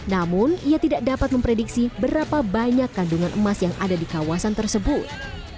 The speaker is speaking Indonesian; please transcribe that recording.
namun ia tidak dapat memprediksi berapa banyak kandungan emas yang ada di kawasan tersebut